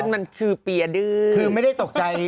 มันคือเปรียดื้อย